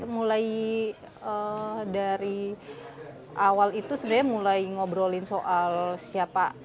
mulai dari awal itu sebenarnya mulai ngobrolin soal siapa